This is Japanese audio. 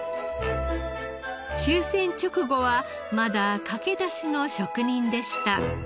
終戦直後はまだ駆け出しの職人でした。